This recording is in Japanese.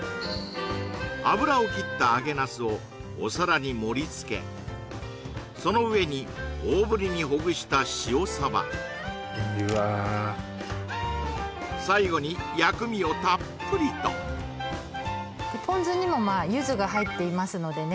油を切った揚げナスをお皿に盛り付けその上に大ぶりにほぐした塩サバいいわ最後に薬味をたっぷりとポン酢にもまあ柚子が入っていますのでね